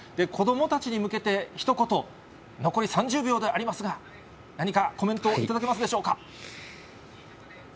子どもたちに向けて、ひと言、残り３０秒でありますが、何かコメントを頂けますでしょうか。